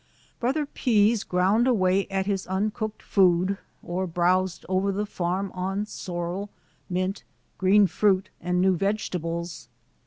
Brother Pease ground away at his uncooked food, or browsed over the farm on sorrel, mint, green fruit, and new vegetables.